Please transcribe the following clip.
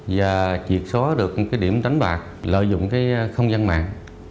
và triệt số được cái điểm đánh bạc lợi dụng cái không gian mạng